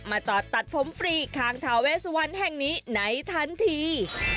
จอดตัดผมฟรีข้างทาเวสวันแห่งนี้ไหนทันที